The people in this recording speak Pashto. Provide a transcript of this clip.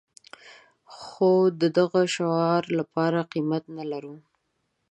خو د دغه شعار لپاره قيمت نه لرو.